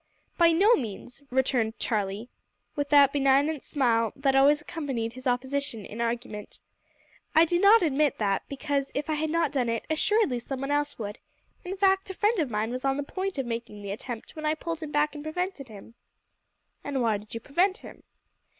"By no means," returned Charlie, with that benignant smile that always accompanied his opposition in argument. "I do not admit that, because, if I had not done it, assuredly some one else would. In fact a friend of mine was on the point of making the attempt when I pulled him back and prevented him." "And why did you prevent him?"